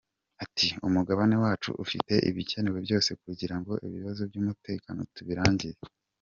Ati “Umugabane wacu ufite ibikenewe byose kugira ngo ibibazo by’umutekano tubirangize.